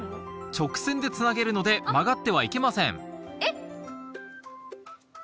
直線で繋げるので曲がってはいけませんえっ？